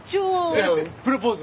いやプロポーズ。